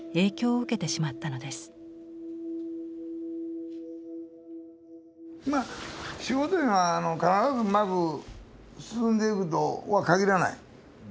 まあ仕事いうのは必ずうまく進んでいくとは限らない。